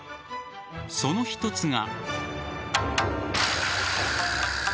その一つが。